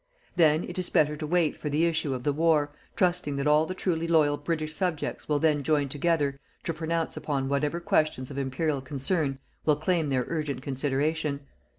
Then it is better to wait for the issue of the war, trusting that all the truly loyal British subjects will then join together to pronounce upon whatever questions of imperial concern will claim their urgent consideration.